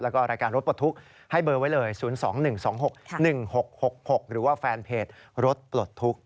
แล้วก็รายการรถปลดทุกข์ให้เบอร์ไว้เลย๐๒๑๒๖๑๖๖๖หรือว่าแฟนเพจรถปลดทุกข์